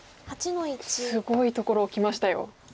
すごいところをきましたよ。